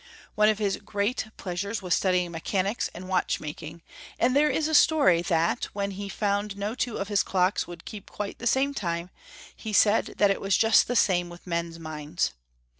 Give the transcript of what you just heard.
One of his great pleasures was stud}dng mechanics and watchmaking, and there is a story that, when he found no two of his clocks would keep quite the same time, he said that it was just the same with men's minds.